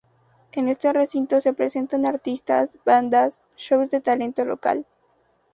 En este recinto, se presentan artistas, bandas, shows de talento local.